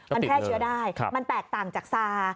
มันแพร่เชื้อได้มันแตกต่างจากซา